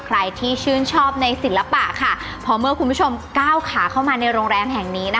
ใครที่ชื่นชอบในศิลปะค่ะพอเมื่อคุณผู้ชมก้าวขาเข้ามาในโรงแรมแห่งนี้นะคะ